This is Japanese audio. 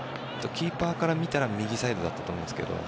キーパーから見たら右サイドだったと思うんですけど。